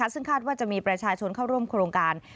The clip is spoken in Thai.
ซึ่งคาดว่าจะมีประชาชนเข้าร่วมโครงการ